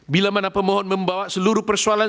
bila mana pemohon membawa seluruh persoalan